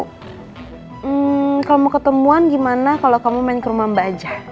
hmm kalau mau ketemuan gimana kalau kamu main ke rumah mbak aja